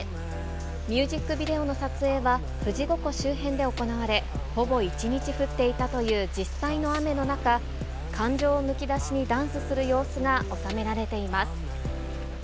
ミュージックビデオの撮影は、富士五湖周辺で行われ、ほぼ一日、降っていたという実際の雨の中、感情をむき出しにダンスする様子が収められています。